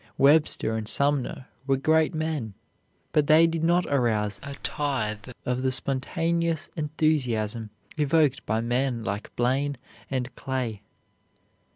Webster and Sumner were great men, but they did not arouse a tithe of the spontaneous enthusiasm evoked by men like Blaine and Clay.